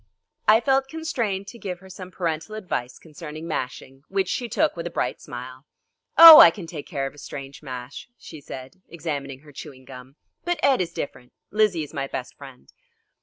I felt constrained to give her some parental advice concerning mashing, which she took with a bright smile. "Oh, I can take care of a strange mash," she said, examining her chewing gum, "but Ed is different. Lizzie is my best friend."